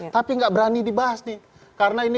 tapi gak berani dibahas nih